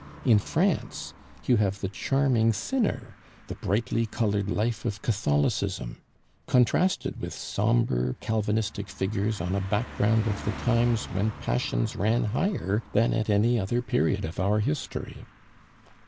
In France you have the charming sinner, the brightly colored life of Catholicism, contrasted with sombre Calvinistic figures on a background of the times when passions ran higher than at any other period of our history.